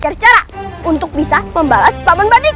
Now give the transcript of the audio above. kata pak kiai kita tidak bisa membalas paman badika